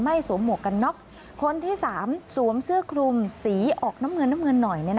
สวมหมวกกันน็อกคนที่๓สวมเสื้อคลุมสีออกน้ำเงินน้ำเงินหน่อย